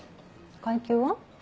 階級は？